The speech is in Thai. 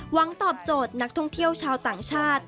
ตอบโจทย์นักท่องเที่ยวชาวต่างชาติ